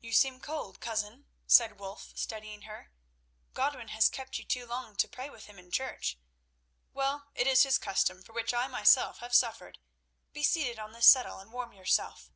"You seem cold, cousin," said Wulf, studying her. "Godwin has kept you too long to pray with him in church. Well, it is his custom, from which I myself have suffered. Be seated on this settle and warm yourself."